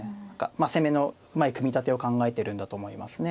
攻めのうまい組み立てを考えてるんだと思いますね